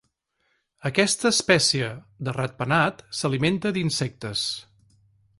Aquesta espècie de ratpenat s'alimenta d'insectes.